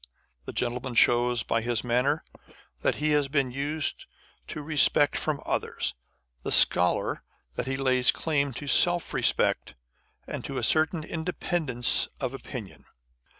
The gentleman shows, by his manner, that he has been used to respect from others : the scholar that he lays claim to self respect and to a certain inde pendence of opinion.